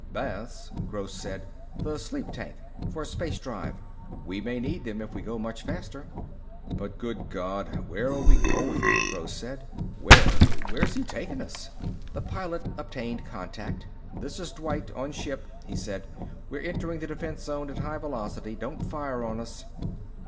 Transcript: "Baths?" Gross said. "The sleep tanks. For space drive. We may need them if we go much faster." "But good God, where are we going?" Gross said. "Where where's he taking us?" The Pilot obtained contact. "This is Dwight, on ship," he said. "We're entering the defense zone at high velocity. Don't fire on us."